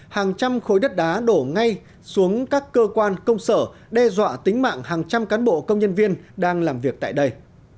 hàng trăm khối đất đá đổ ngay xuống các cơ quan công sở đe dọa tính mạng hàng trăm cán bộ công nhân viên đang làm việc tại đây